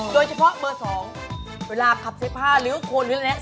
โดยเฉพาะเบอร์๒เวลาขับใส่ผ้าหรือคนหรืออะไรแน่